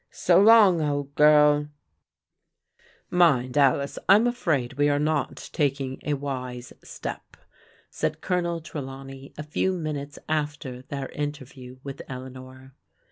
" So long, old girL" " Mind, Alice, I*m afraid we are not taking a wise step," said Colonel Trelawney a few minutes after their interview with Eleanor.